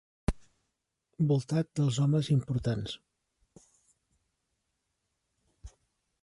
Voltat dels homes importants